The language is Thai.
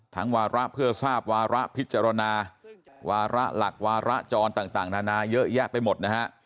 วาระเพื่อทราบวาระพิจารณาวาระหลักวาระจรต่างนานาเยอะแยะไปหมดนะฮะ